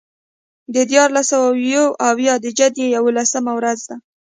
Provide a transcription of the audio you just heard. د دیارلس سوه یو اویا د جدې یوولسمه ورځ ده.